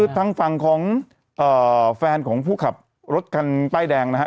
ทางฝั่งของแฟนของผู้ขับรถกันใต้แดงนะครับ